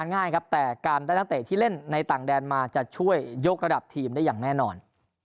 ในต่างแดนมาจะช่วยยกระดับทีมได้อย่างแน่นอน